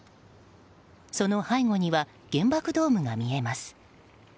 その背後には原爆ドームが見えます。